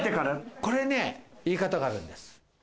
これね、言い方があるんです。